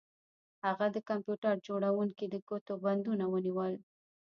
هغه د کمپیوټر جوړونکي د ګوتو بندونه ونیول